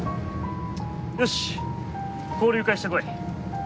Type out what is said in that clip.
よし交流会してこい。